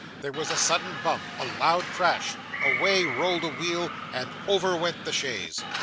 There was a sudden bump a loud crash away rolled a wheel, and over went the chaise.